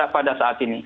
pada saat ini